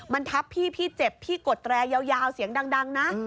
มันทับพี่พี่เจ็บพี่กดแรยาวเสียงดังนะ